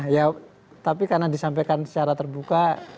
ya tapi karena disampaikan secara terbuka